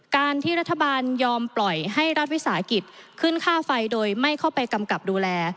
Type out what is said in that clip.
การที่รัฐบาลยอมปล่อยให้รัฐวิสาหกิจขึ้นค่าไฟโดยไม่เข้าไปกำกับดูแล